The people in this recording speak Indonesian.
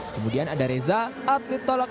kemudian ada reza atlet tolak